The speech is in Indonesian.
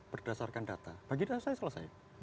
berdasarkan data bagi saya selesai